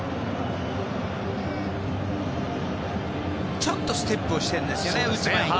ちょっとステップをしてるんですよね、打つ前に。